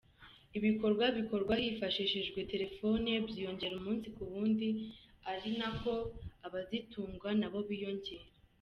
Ibikorwa bikorwa hifashishijwe telefone byiyongera umunsi ku wundi ari nako abazitunga nabo biyongera.